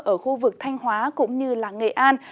ở khu vực thanh hóa cũng như nghệ an